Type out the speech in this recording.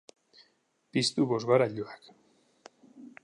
Piztu bozgorailuak.